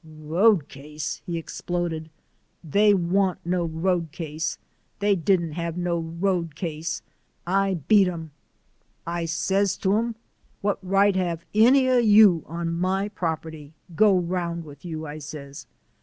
"Road case!" he exploded, "they wan't no road case; they didn't have no road case. I beat 'em. I says to 'em, 'What right hev any o' you on my property? Go round with you,' I says.